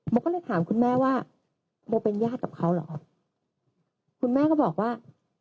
ก็เลยถามคุณแม่ว่าโมเป็นญาติกับเขาเหรอครับคุณแม่ก็บอกว่า